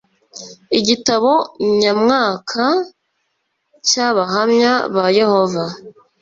Igitabo nyamwaka cy'Abahamya ba Yehova